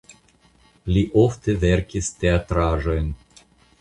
Li ofte verkis teatraĵojn.